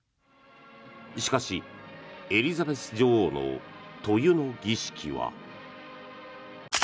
しかし、エリザベス女王の塗油の儀式は。